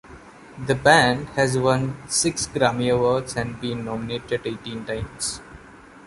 The band has won six Grammy Awards and been nominated eighteen times.